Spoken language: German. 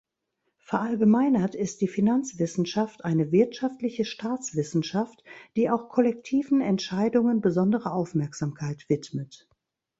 Verallgemeinert ist die Finanzwissenschaft eine wirtschaftliche Staatswissenschaft, die auch kollektiven Entscheidungen besondere Aufmerksamkeit widmet.